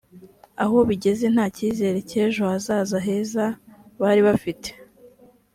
aho bigeze nta cyizere cy’ejo hazaza heza bari bafite